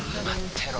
てろ